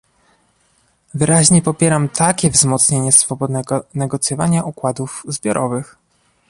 Wyraźnie popieram takie wzmocnienie swobodnego negocjowania układów zbiorowych